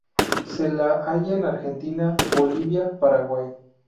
Se la halla en Argentina, Bolivia, Paraguay.